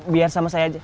biar sama saya aja